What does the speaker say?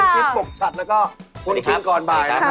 คุณจิ๊บปกฉัดแล้วก็คุณคิงกรบายนะครับ